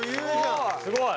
すごい！